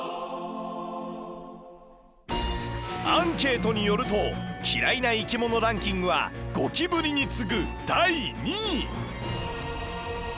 アンケートによると嫌いな生き物ランキングはゴキブリに次ぐ第２位！